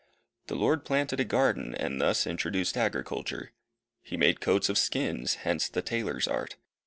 "The Lord God planted a garden," and thus introduced agriculture. "He made coats of skins," hence the tailor's art.